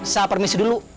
saya permisi dulu